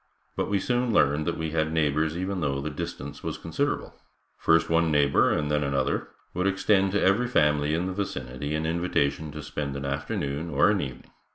But we soon learned that we had neighbors even though the distance was considerable. First one neighbor and then another would extend to every family in the vicinity an invitation to spend an afternoon or an evening.